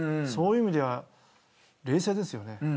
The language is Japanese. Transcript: そういう意味では冷静ですよね。